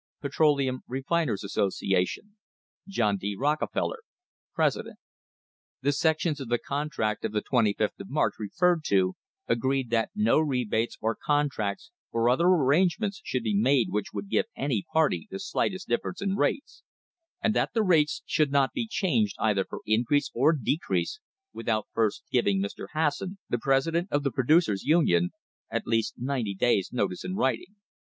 "Petroleum Refiners' Association, "John D. Rockefeller, President The sections of the contract of the 25th of March referred to agreed that no rebates or contracts or other arrangements should be made which would give any party the slightest difference in rates, and that the rates should not be changed either for increase or decrease without first giving Mr. Hasson, the president of the Producers' Union, at least ninety days' notice in writing.